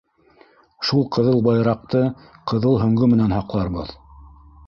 Шул ҡыҙыл байраҡты ҡыҙыл һөңгө менән һаҡларбыҙ.